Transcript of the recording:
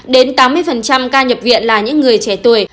đến tám mươi ca nhập viện là những người trẻ tuổi